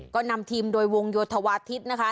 ก็นำทีมโดยวงโยธวาทิศนะคะ